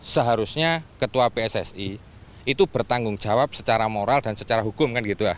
seharusnya ketua pssi itu bertanggung jawab secara moral dan secara hukum kan gitu